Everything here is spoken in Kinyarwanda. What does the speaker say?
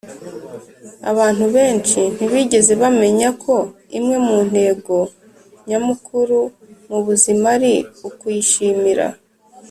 abantu benshi ntibigeze bamenya ko imwe mu ntego nyamukuru mubuzima ari ukuyishimira.